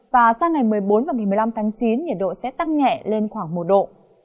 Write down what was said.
và sang ngày một mươi bốn và ngày một mươi năm tháng chín nhiệt độ sẽ tăng nhẹ lên khoảng một độ